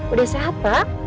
udah sehat pak